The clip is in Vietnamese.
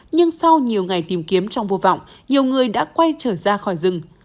nhưng sau nhiều ngày tìm kiếm trong vô vọng nhiều người đã quay trở ra khỏi rừng